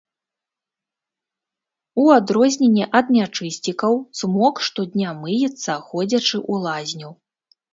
У адрозненні ад нячысцікаў цмок штодня мыецца, ходзячы ў лазню.